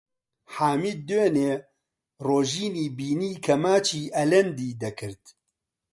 حامید دوێنێ ڕۆژینی بینی کە ماچی ئەلەندی دەکرد.